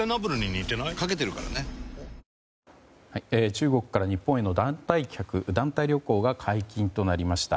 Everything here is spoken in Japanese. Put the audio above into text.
中国から日本への団体旅行が解禁となりました。